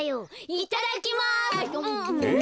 いただきます。